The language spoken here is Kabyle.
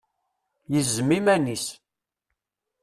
Yezzem iman-is.